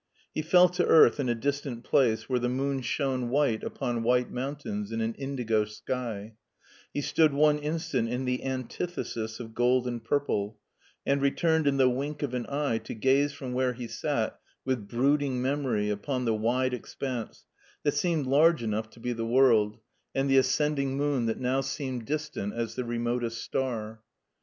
He fell to earth in a distant place where the moon shone white upon white mountains in an indigo sky, he stood one instant in the antithesis of gold and purple, and returned in the wink of an eye to gaze from where he sat with brooding memory upon the wide expanse that seemed large enough to be the HEIDELBERG 31 world, and the ascending moon that now seemed dis tant as the remotest star.